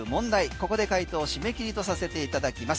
ここで回答締め切りとさせていただきます。